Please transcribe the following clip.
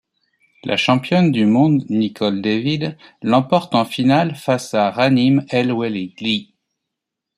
La championne du monde Nicol David l'emporte en finale face à Raneem El Weleily.